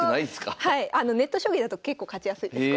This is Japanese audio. ネット将棋だと結構勝ちやすいです